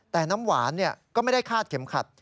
แต่น้ำหวานก็ไม่ได้คาดเข็มขัด